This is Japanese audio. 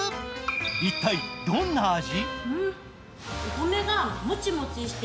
一体、どんな味？